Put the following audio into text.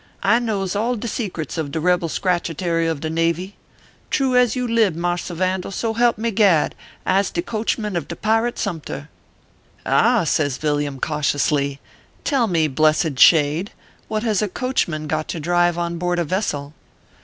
I knows all de secrets of de rebel Scratchetary of the Navy. True as you lib, Mars r Vandal, so help me gad, I se de coachman of de pirate Sumter." "Ah !" says Villiam, cautiously, " tell me, blessed shade, what has a coachman got to drive on board a vessel